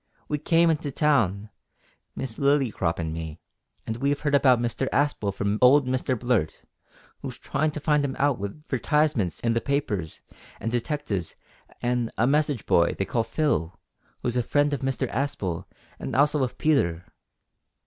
We came in to town, Miss Lillycrop an' me, and we've heard about Mr Aspel from old Mr Blurt, who's tryin' to find him out with 'vertisements in the papers an' detectives an' a message boy they call Phil, who's a friend of Mr Aspel, an' also of Peter."